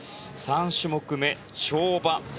３種目目、跳馬。